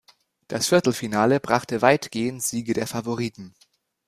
Das Viertelfinale brachte weitgehend Siege der Favoriten.